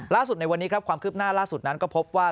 ในวันนี้ครับความคืบหน้าล่าสุดนั้นก็พบว่า